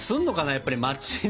やっぱり街に。